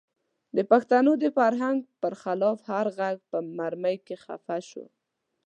د پښتنو د فرهنګ پر خلاف هر غږ په مرۍ کې خفه شو.